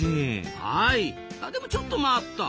あでもちょっと待った。